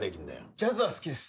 ジャズは好きです。